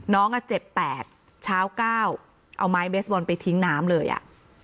น้องอ่ะเจ็บ๘เช้า๙เอาไม้เบสบอลไปทิ้งน้ำเลยอ่ะ